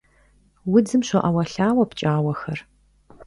Удзым щоӀэуэлъауэ пкӀауэхэр.